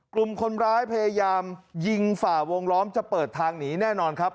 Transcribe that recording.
กลุ่มคนร้ายพยายามยิงฝ่าวงล้อมจะเปิดทางหนีแน่นอนครับ